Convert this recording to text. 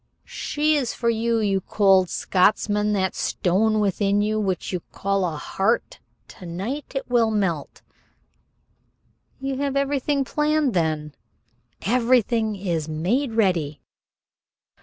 "She is for you you cold Scotchman! That stone within you, which you call heart, to night it will melt." "You have everything planned then?" "Everything is made ready."